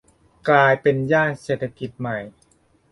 กลายเป็นย่านเศรษฐกิจใหม่